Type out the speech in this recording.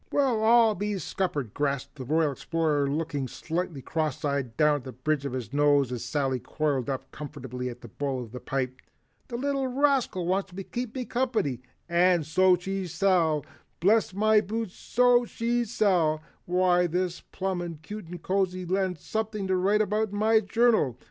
"Well I'll be scuppered!" gasped the Royal Explorer looking slightly cross eyed down the bridge of his nose as Sally coiled up comfortably in the bowl of the pipe. "The little rascal wants to keep me company, and so she shall, bless my boots, so she shall! Why this is plumb cute and cozy and something to write in my journal."